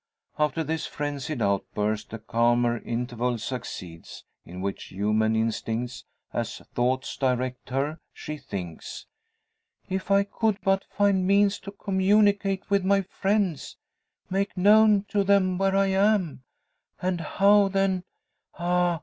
After this frenzied outburst a calmer interval succeeds; in which human instincts as thoughts direct her. She thinks: "If I could but find means to communicate with my friends make known to them where I am, and how, then Ah!